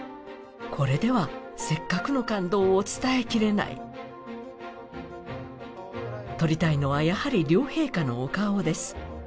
これではせっかくの感動を伝えきれない撮りたいのはやはり両陛下のお顔です